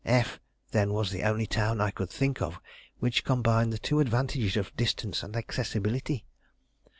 F , then, was the only town I could think of which combined the two advantages of distance and accessibility.